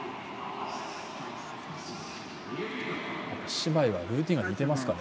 姉妹はルーティンが似てますかね。